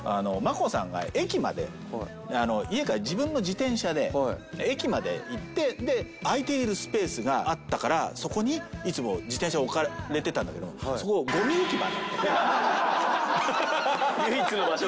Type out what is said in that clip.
マコさんが駅まで家から自分の自転車で駅まで行って空いているスペースがあったからそこにいつも自転車を置かれてたんだけどそこゴミ置き場だったのね。